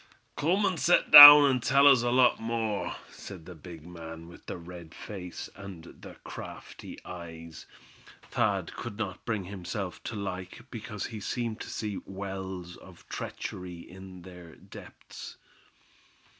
"Cum an' set down an' tell us a lot more," said the big man, with the red face, and the crafty eyes, Thad could not bring himself to like, because he seemed to see wells of treachery in their depths.